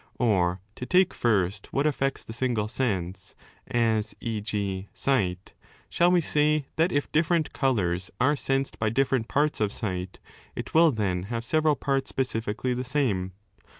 Or, to take first what affects the single sense, as e,g, sight, shall we say that if different colours are sensed by different parts of sight, it will then have several parts specifically the same